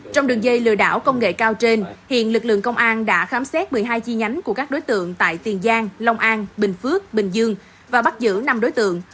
trong đường dây lừa đảo công nghệ cao trên hiện lực lượng công an đã khám xét một mươi hai chi nhánh của các đối tượng tại tiền giang long an bình phước bình dương và bắt giữ năm đối tượng